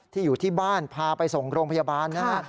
อยู่ที่บ้านพาไปส่งโรงพยาบาลนะฮะ